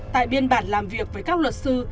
tại biên bản làm việc với các luật sư